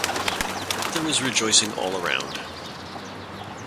There was rejoicing all around.